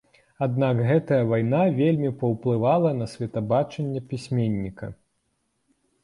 Аднак гэтая вайна вельмі паўплывала на светабачанне пісьменніка.